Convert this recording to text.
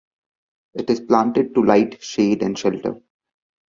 It is planted to light shade and shelter.